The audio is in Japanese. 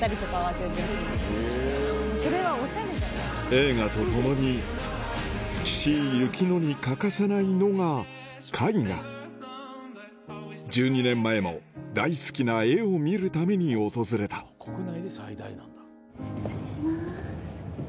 映画と共に岸井ゆきのに欠かせないのが絵画１２年前も大好きな絵を見るために訪れた失礼します。